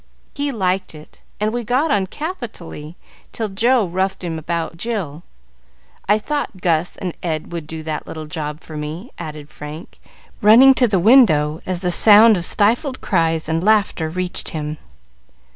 "He liked it, and we got on capitally till Joe roughed him about Jill. Ah, Joe's getting it now! I thought Gus and Ed would do that little job for me," added Frank, running to the window as the sound of stifled cries and laughter reached him.